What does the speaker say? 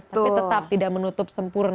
tapi tetap tidak menutup sempurna